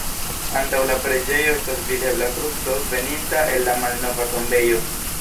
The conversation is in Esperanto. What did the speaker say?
Antaŭ la preĝejo estas videbla kruco veninta el la malnova tombejo.